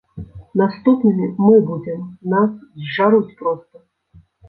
Наступнымі мы будзем, нас зжаруць проста.